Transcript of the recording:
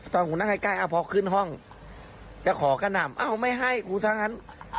ตอนคุณนั่งใกล้ใกล้อะพอขึ้นห้องจะขอก็นำเอาไม่ให้กูทั้งอัน